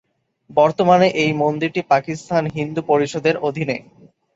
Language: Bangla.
বর্তমানে, এই মন্দিরটি পাকিস্তান হিন্দু পরিষদের অধীনে।